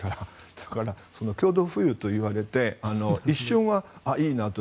だから共同富裕と言われて一瞬は、いいなと。